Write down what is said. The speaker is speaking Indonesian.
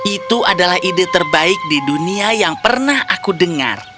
itu adalah ide terbaik di dunia yang pernah aku dengar